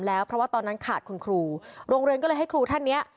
แล้วเพราะว่าตอนนั้นขาดคุณครูโรงเรียนก็เลยให้ครูท่านเนี้ย